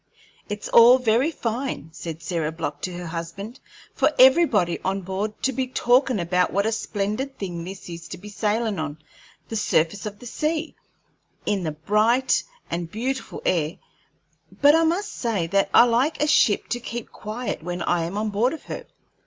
"It's all very fine," said Sarah Block to her husband, "for everybody on board to be talkin' about what a splendid thing it is to be sailin' on the surface of the sea, in the bright and beautiful air, but I must say that I like a ship to keep quiet when I am on board of her.